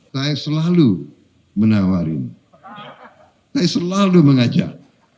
saya selalu menawarin saya selalu mengajak